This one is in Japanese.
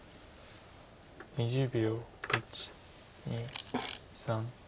２０秒。